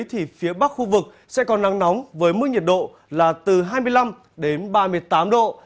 thì phía bắc khu vực sẽ có nắng nóng với mức nhiệt độ là từ hai mươi năm đến ba mươi tám độ